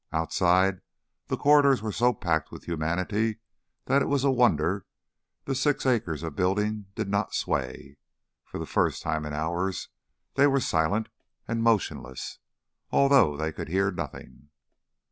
Outside, the corridors were so packed with humanity that it was a wonder the six acres of building did not sway. For the first time in hours they were silent and motionless, although they could hear nothing.